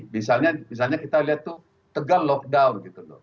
misalnya kita lihat tuh tegal lockdown gitu loh